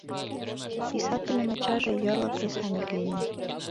Писательын ачаже йорло кресаньык лийын.